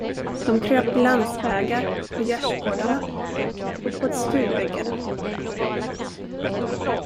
De kröp på landsvägar, på gärdsgårdarna, uppåt stugväggarna.